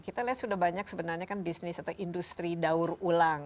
kita lihat sudah banyak sebenarnya kan bisnis atau industri daur ulang